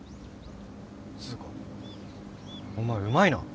つうかお前うまいな。